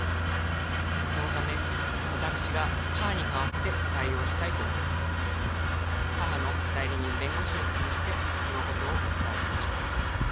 そのため、私が母に代わって対応したいと思い母の代理人弁護士を通じて、そのことをお伝えしました。